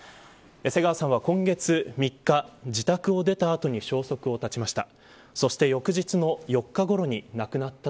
瀬川さんは今月３日自宅を出た後に消息を絶ちました。